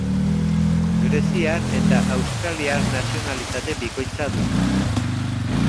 Greziar eta australiar nazionalitate bikoitza du.